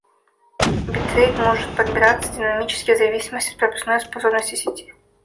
Битрейт может подбираться динамически в зависимости от пропускной способности сети